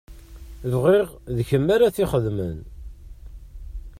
Bɣiɣ d kemm ara t-ixedmen.